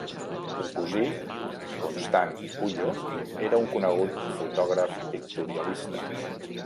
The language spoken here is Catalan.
Un cosí, Constant Puyo, era un conegut fotògraf pictorialista.